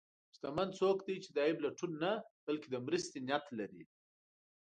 شتمن څوک دی چې د عیب لټون نه، بلکې د مرستې نیت لري.